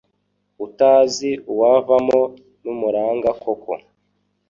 Utazi uwavamo n'umuranga koko